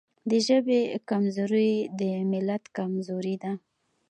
د ژبې کمزوري د ملت کمزوري ده.